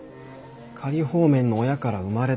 仮放免の親から生まれたから。